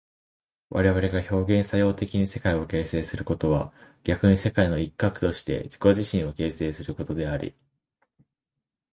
我々が表現作用的に世界を形成することは逆に世界の一角として自己自身を形成することであり、